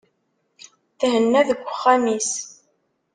Thenna deg uxxam-is.